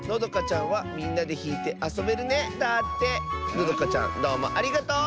のどかちゃんどうもありがとう！